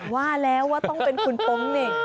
ว่าแล้วว่าต้องเป็นคุณโป๊งเหน่ง